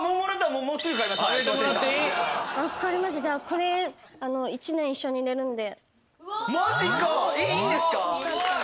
これ１年一緒にいれるんで。